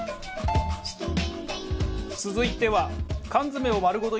続いては。